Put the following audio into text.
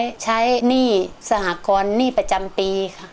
ใช้หนี้สหกรณ์หนี้ประจำปีค่ะ